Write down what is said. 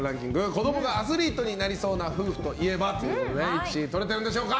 子供がアスリートになりそうな夫婦といえば？ということで１位取れてるんでしょうか。